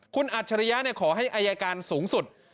คุณอัจฉริยะขอให้อายการสูงสุด